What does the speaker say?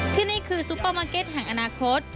ที่นี่คือซุปเปอร์มาร์เก็ตแห่งอนาคต